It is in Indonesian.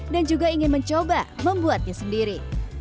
dan juga ingin mencoba membuatnya sendiri